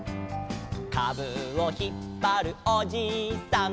「かぶをひっぱるおじいさん」